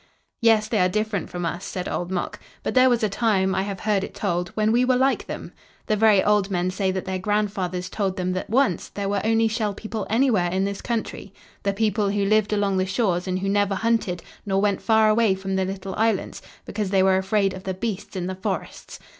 "Yes, they are different from us," said Old Mok, "but there was a time, I have heard it told, when we were like them. The very old men say that their grandfathers told them that once there were only Shell People anywhere in this country, the people who lived along the shores and who never hunted nor went far away from the little islands, because they were afraid of the beasts in the forests.